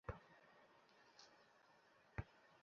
আষ্টচালা টিনের ঘরে থাকপি রানী হইয়া।